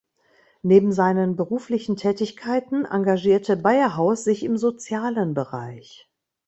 Neben seinen beruflichen Tätigkeiten engagierte Beyerhaus sich im sozialen Bereich.